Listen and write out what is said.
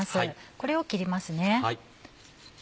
これを切りますね。